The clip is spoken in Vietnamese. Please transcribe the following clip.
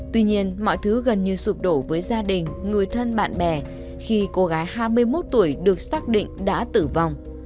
tuy nhiên mọi thứ gần như sụp đổ với gia đình người thân bạn bè khi cô gái hai mươi một tuổi được xác định đã tử vong